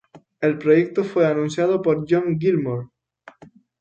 El proyecto fue anunciado por John Gilmore.